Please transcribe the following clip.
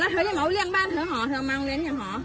อ่าแล้วเธอยังเอาเลี่ยงบ้านเธอหอเธอมาเรียนเธอหอ